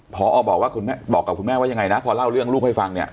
พอบอกว่าคุณแม่บอกกับคุณแม่ว่ายังไงนะพอเล่าเรื่องลูกให้ฟังเนี่ย